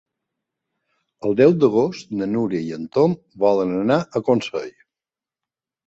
El deu d'agost na Núria i en Tom volen anar a Consell.